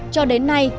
cho đến nay